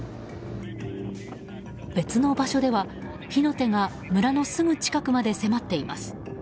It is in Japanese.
別の場所では火の手が村のすぐ近くまで迫っています。